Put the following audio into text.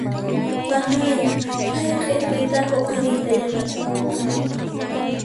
Panay kay q'ipita huqariyta yanapaway.